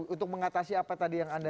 untuk mengatasi apa tadi yang anda